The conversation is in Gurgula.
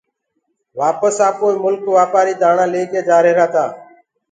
وآپس آپوئي ملڪ وآپآري دآڻآ ليڪي جآريهرآ تآ